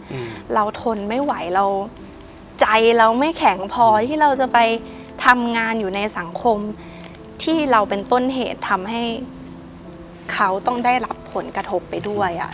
อืมเราทนไม่ไหวเราใจเราไม่แข็งพอที่เราจะไปทำงานอยู่ในสังคมที่เราเป็นต้นเหตุทำให้เขาต้องได้รับผลกระทบไปด้วยอ่ะ